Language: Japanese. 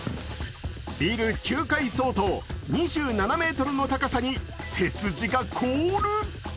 ビル９階相当、２７ｍの高さに背筋が凍る。